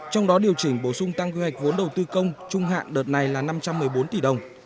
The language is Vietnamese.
trong đó điều chỉnh bổ sung tăng quy hoạch vốn đầu tư công trung hạn đợt này là năm trăm một mươi bốn tỷ đồng